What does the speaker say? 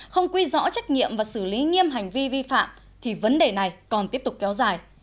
không quy rõ trách nhiệm và xử lý nghiêm hành vi vi phạm thì vấn đề này còn tiếp tục kéo dài